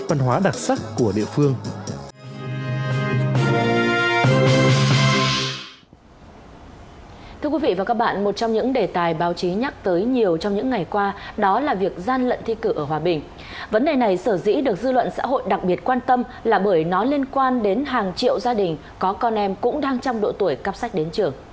vấn đề này sở dĩ được dư luận xã hội đặc biệt quan tâm là bởi nó liên quan đến hàng triệu gia đình có con em cũng đang trong độ tuổi cắp sách đến trường